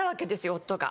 夫が。